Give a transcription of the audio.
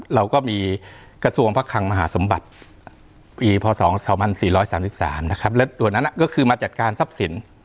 เราก็มีกระทรวงพระคังมหาสมบัติปีพศ๒๔๓๓นะครับและตัวนั้นก็คือมาจัดการทรัพย์สิน